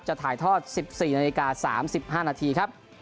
จะถ่ายท่อ๑๔นาที๓๕นาทีครับ